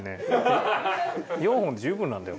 ４本で十分なんだよ